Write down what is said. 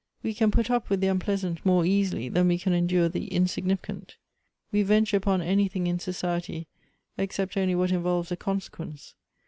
We can put up with the unpleasant more easily than we can endure the insignificant. "We venture upon anything in society except only what involves a consequence.